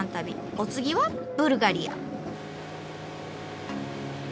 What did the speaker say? お次はブルガリア。